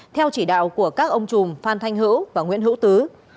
theo chỉ đạo của các ông chùm phan thanh hữu và nguyễn hữu tứ